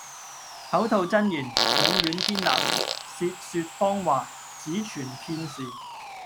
口吐真言，永遠堅立；舌說謊話，只存片時。